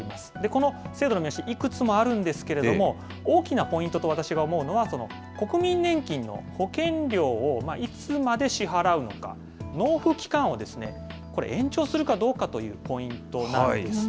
この制度の見直し、いくつもあるんですけれども、大きなポイントと私が思うのは、国民年金の保険料をいつまで支払うのか、納付期間をこれ、延長するかどうかというポイントなんです。